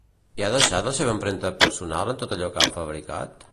I ha deixat la seva empremta personal en tot allò que ha fabricat?